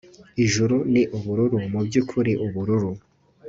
ijuru ni ubururu, mubyukuri ubururu